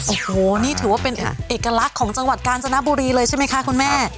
โอ้โหนี่ถือว่าเป็นเอกลักษณ์ของจังหวัดกาญจนบุรีเลยใช่ไหมคะคุณแม่